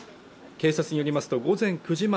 警察によりますと午前９時前